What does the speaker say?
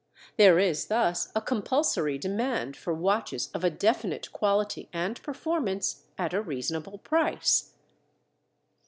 There is thus a compulsory demand for watches of a definite quality and performance at a reasonable price.